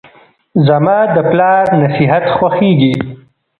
زماد پلار نصیحت خوښیږي.